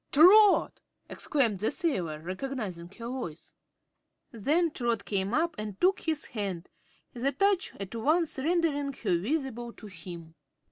"Trot!" exclaimed the sailor, recognizing her voice. Then Trot came up and took his hand, the touch at once rendering her visible to him.